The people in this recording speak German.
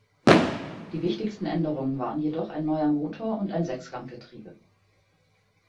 Die wichtigsten Änderungen waren jedoch ein neuer Motor und ein Sechsganggetriebe.